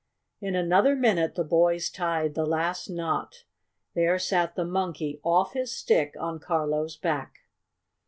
In another minute the boys tied the last knot. There sat the Monkey, off his stick, on Carlo's back.